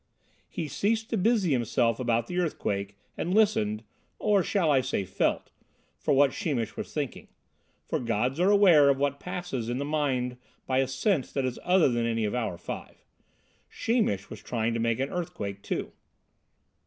He ceased to busy himself about the earthquake and listened, or shall I say felt, for what Sheemish was thinking; for gods are aware of what passes in the mind by a sense that is other than any of our five. Sheemish was trying to make an earthquake too.